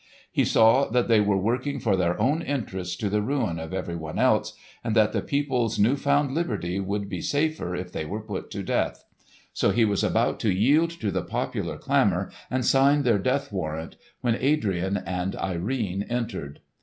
He saw that they were working for their own interests to the ruin of everyone else, and that the people's new found liberty would be safer if they were put to death. So he was about to yield to the popular clamour and sign their death warrant when Adrian and Irene entered.